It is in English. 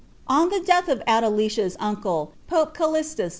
On the death of Adclicia's uncle, pope Golixtua H.